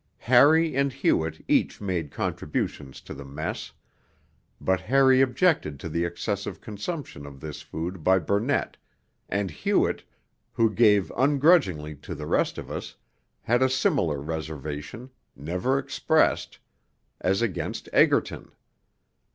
Harry and Hewett each made contributions to the mess; but Harry objected to the excessive consumption of this food by Burnett, and Hewett, who gave ungrudgingly to the rest of us, had a similar reservation never expressed as against Egerton.